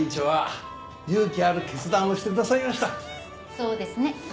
そうですね。